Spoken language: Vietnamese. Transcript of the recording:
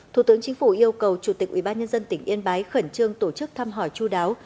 thủ tướng chính phủ yêu cầu chủ tịch ubnd tỉnh yên bái khẩn trương tổ chức thăm hỏi chú đáo